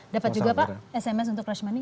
dapat juga pak sms untuk rush money